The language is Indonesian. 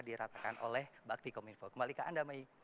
diratakan oleh bakti komingfo kembali ke anda may